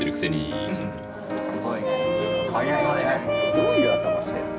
・どういう頭してんの？